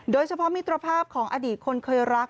โดยเฉพาะมิตรภาพของอดีตคนเคยรัก